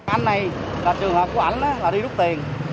anh này là trường hợp của anh là đi rút tiền